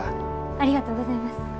ありがとうございます。